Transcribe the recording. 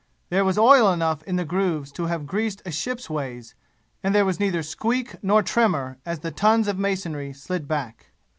There was oil enough in the grooves to have greased a ship's ways and there neither squeak nor tremor as the tons of masonry slid back.